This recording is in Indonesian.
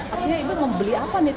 akhirnya ibu membeli apa tadi ibu